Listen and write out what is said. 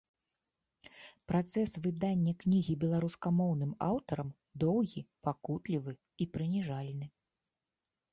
Працэс выдання кнігі беларускамоўным аўтарам доўгі, пакутлівы і прыніжальны.